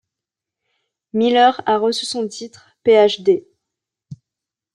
Miller a reçu son titre Ph.D.